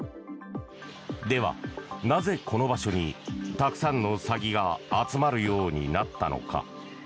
では、なぜこの場所にたくさんのサギが集まるようになったのか。